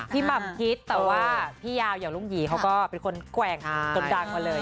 หม่ำคิดแต่ว่าพี่ยาวอย่างลุงหยีเขาก็เป็นคนแกว่งจนดังมาเลย